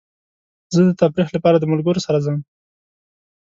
زه د تفریح لپاره د ملګرو سره ځم.